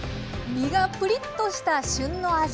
身がプリッとした旬のあじ。